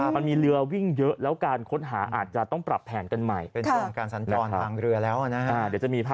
มันมีเรือวิ่งเยอะแล้วการค้นหาอาจจะต้องปรับแผนกันใหม่